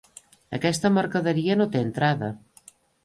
Aquesta mercaderia no té entrada.